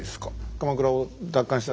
鎌倉を奪還した。